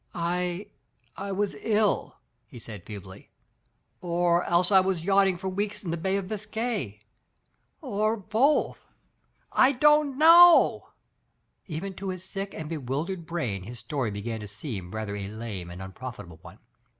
*'I — I was ill," he said feebly, "or else I was yachting for weeks in the Bay of Biscay. Or both — /don't know!" Even to his sick and be wildered brain his story began to seem rather a lame and unprofitable one.